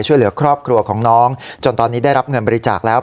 ช่วยเหลือครอบครัวของน้องจนตอนนี้ได้รับเงินบริจาคแล้ว